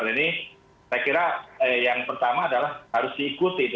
dan ini saya kira yang pertama adalah harus diikuti itu